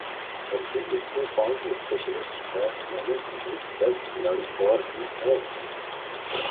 بلکہ اس میں پانچ اسپیشلسٹ بیٹسمینوں سمیت دس کھلاڑی اور بھی ہیں